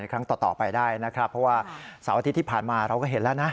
ครั้งต่อไปได้นะครับเพราะว่าเสาร์อาทิตย์ที่ผ่านมาเราก็เห็นแล้วนะ